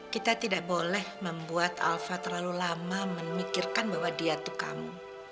kita tidak boleh membuat alva terlalu lama memikirkan bahwa dia tuh kamu